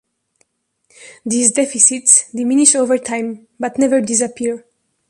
These deficits diminish over time but never disappear.